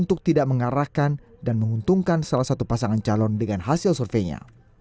untuk tidak mengarahkan dan menguntungkan salah satu pasangan calon dengan hasil surveinya